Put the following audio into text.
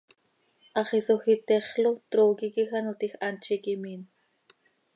Hax isoj itexl oo, trooqui quij ano tiij, hant z iiqui miin.